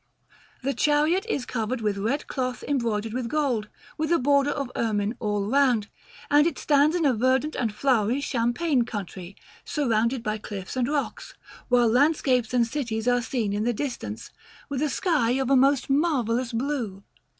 The chariot is covered with red cloth embroidered with gold, with a border of ermine all round; and it stands in a verdant and flowery champaign country, surrounded by cliffs and rocks; while landscapes and cities are seen in the distance, with a sky of a most marvellous blue.